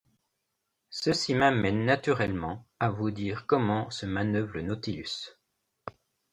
Ceci m’amène naturellement à vous dire comment se manœuvre le Nautilus.